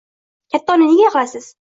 Katta ona, nega yig'laysiz?